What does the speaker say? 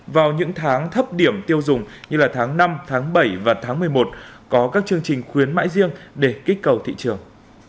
vào những tháng thấp điểm tiêu dùng như là tháng năm tháng bảy và tháng một mươi một có các chương trình khuyến mãi riêng để kích cầu thị trường